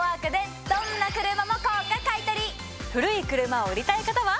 古い車を売りたい方は。